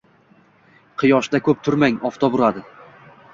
Quyoshda ko'p turmang, oftob uradi